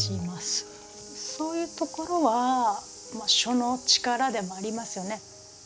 そういうところは書の力でもありますよね。